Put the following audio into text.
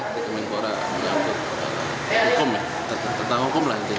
di kementerian kompul dan olahraga mengatakan hukum ya tentang hukum lah intinya